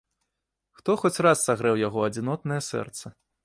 Хто хоць раз сагрэў яго адзінотнае сэрца?